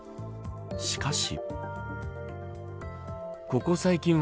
しかし。